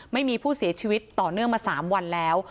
ไม่มีผู้เสียชีวิตต่อเนื่องมา๓วันแล้ว